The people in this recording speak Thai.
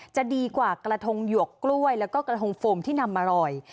จะดีกว่ากระทงหยวกกล้วยแล้วก็กระทงโฟมที่นำมาอร่อย